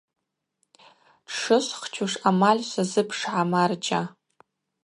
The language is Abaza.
Штшышвхчуш амаль швазыпшгӏа, марджьа.